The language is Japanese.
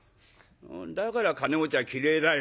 だから金持ちは嫌えだよ。